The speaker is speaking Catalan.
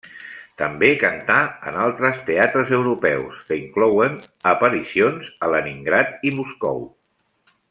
També cantà en altres teatres europeus, que inclouen aparicions a Leningrad i Moscou.